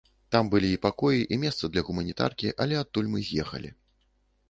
Там былі і пакоі, і месца для гуманітаркі, але адтуль мы з'ехалі.